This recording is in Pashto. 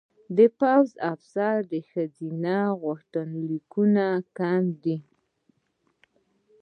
پوځ افسرۍ ښځینه غوښتنلیکونه کم دي.